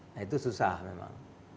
nah itu susah memang